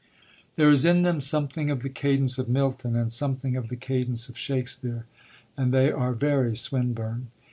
There is in them something of the cadence of Milton and something of the cadence of Shakespeare, and they are very Swinburne.